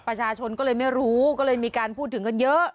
ประชาชนก็เลยไม่รู้ก็เลยมีการพูดถึงกันเยอะ